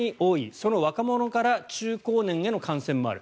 その若者から中高年への感染もある。